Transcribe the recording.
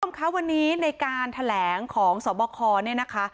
ตณอยมคะวันนี้ในการแถลงของศาลบัลคอร์เนี่ยนะคะ